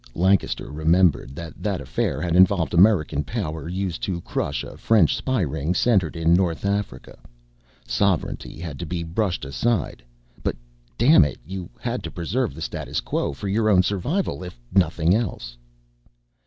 Lancaster remembered that that affair had involved American power used to crush a French spy ring centered in North Africa. Sovereignty had been brushed aside. But damn it, you had to preserve the status quo, for your own survival if nothing else.